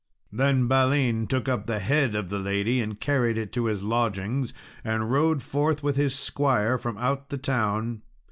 Then Balin took up the head of the lady and carried it to his lodgings, and rode forth with his squire from out the town.